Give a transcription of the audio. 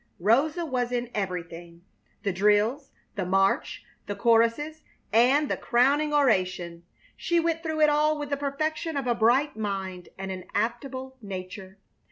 Rosa was in everything the drills, the march, the choruses, and the crowning oration. She went through it all with the perfection of a bright mind and an adaptable nature.